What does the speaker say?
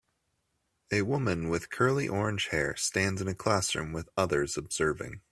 A woman with curly orange hair stands in a classroom with others observing